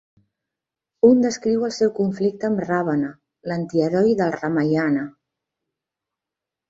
Un descriu el seu conflicte amb Ràvana, l'antiheroi del Ramayana.